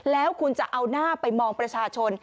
แล้วคุณจะเอาหน้าไปมองประชาชน